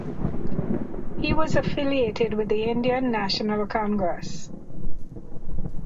He was affiliated with the Indian National Congress.